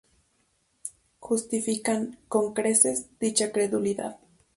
justifican, con creces, dicha credulidad